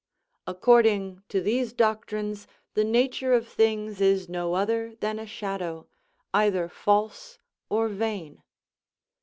According to these doctrines the nature of things is no other than a shadow, either false or vain.